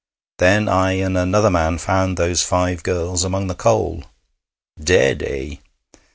Then I and another man found those five girls among the coal.' 'Dead, eh?'